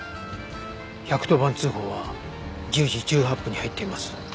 １１０番通報は１０時１８分に入っています。